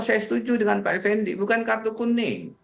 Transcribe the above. saya setuju dengan pak effendi bukan kartu kuning